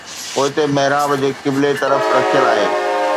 پوئتي محراب جي قبلي طرف رکيل آهي